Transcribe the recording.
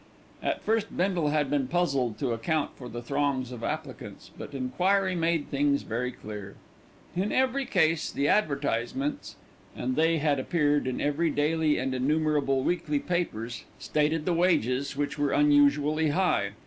At first Bindle had been puzzled to account for the throngs of applicants; but enquiry made things very clear. In every case the advertisements and they had appeared in every daily and innumerable weekly papers stated the wages, which were unusually high.